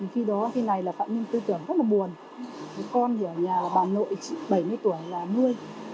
khi đó khi này là phạm nhân tư tưởng rất là buồn con thì ở nhà bà nội bảy mươi tuổi là nuôi